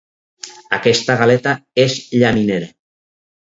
Aquesta galeta és llaminera.